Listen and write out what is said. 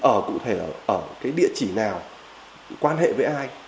ở cụ thể là ở cái địa chỉ nào quan hệ với ai